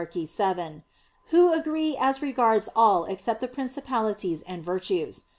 vii), who agree as regards all except the "Principalities" and "Virtues."